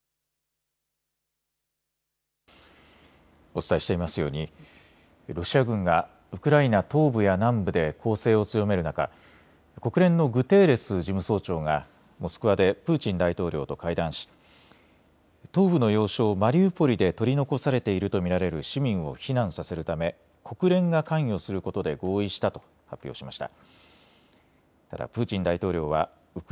お伝えしていますようにロシア軍がウクライナ東部や南部で攻勢を強める中、国連のグテーレス事務総長がモスクワでプーチン大統領と会談し東部の要衝マリウポリで取り残されていると見られる市民を避難させるため国連が関与することで合意したと発表しました。